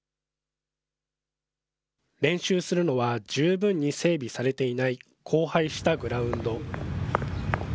練習するのは十分に整備されていない荒廃したグラウンド。